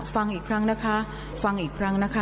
ฟังอีกครั้งนะคะฟังอีกครั้งนะคะ